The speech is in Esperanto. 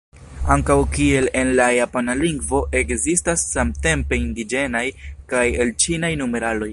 Ankaŭ kiel en la japana lingvo, ekzistas samtempe indiĝenaj kaj elĉinaj numeraloj.